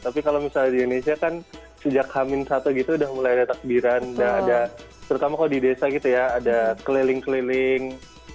tapi kalau misalnya di indonesia kan sejak hamin satu gitu udah mulai ada takbiran dan ada terutama kalau di desa gitu ya ada keliling keliling